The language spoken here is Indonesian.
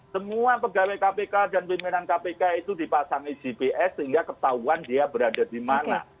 semua pegawai kpk dan pimpinan kpk itu dipasangi gps sehingga ketahuan dia berada di mana